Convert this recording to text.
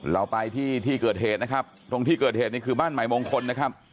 เราไปที่ที่เกิดเหตุนะครับตรงที่เกิดเหตุนี่คือบ้านใหม่มงคลนะครับ